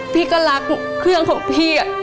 พี่ก็รักเครื่องของพี่